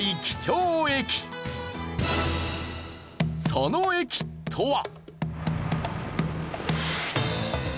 その駅とは。